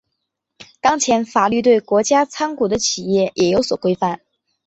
当然法律对国家参股的企业也有所规范。